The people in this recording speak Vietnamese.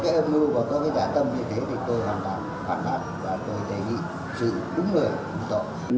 cả tâm như thế thì tôi hoàn toàn phát phát và tôi đề nghị sự đúng lời đúng tội